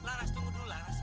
laras tunggu dulu laras